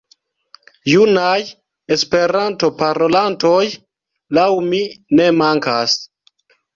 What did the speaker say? Junaj Esperanto-parolantoj laŭ mi ne mankas.